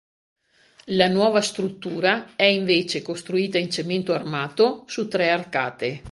La nuova struttura è invece costruita in cemento armato, su tre arcate.